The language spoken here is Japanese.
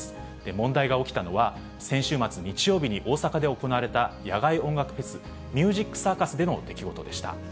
問題が起きたのは、先週末日曜日に大阪で行われた野外音楽フェス、ミュージックサーカスでの出来事でした。